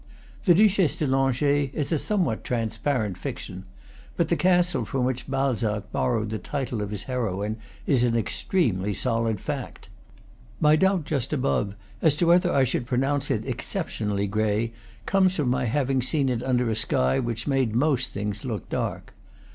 The Duchesse de Lan geais is a somewhat transparent fiction; but the castle from which Balzac borrowed the title of his heroine is an extremely solid fact. My doubt just above as to whether I should pronounce it excep tionally grey came from my having seen it under a sky which made most things look dark.